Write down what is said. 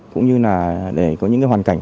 cũng như là để có những cái hoàn cảnh